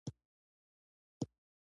نفرتونه سوځېدل، خندان و زړونه